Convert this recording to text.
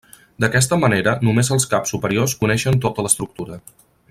D'aquesta manera només els caps superiors coneixen tota l'estructura.